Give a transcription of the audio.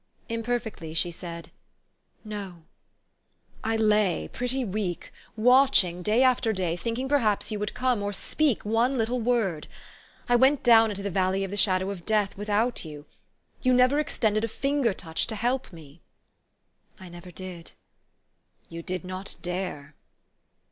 Imperfectly she said, " No." "I lay, pretty weak, watching, day after day, thinking perhaps you would come, or speak one little word. I went down into the valley of the shadow of death without you. You never extended a finger touch to help me." "1 never did." " You did not dare